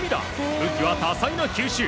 武器は多彩な球種。